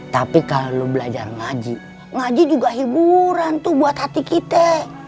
tapi kalau belajar ngaji ngaji juga hiburan tuh buat hati kita